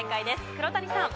黒谷さん。